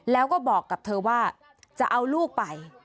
แล้วก็บอกกับเธอว่าจะเอาลูกไป